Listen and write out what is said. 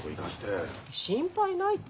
心配ないって。